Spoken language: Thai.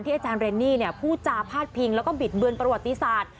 อาจารย์เรนนี่พูดจาพาดพิงแล้วก็บิดเบือนประวัติศาสตร์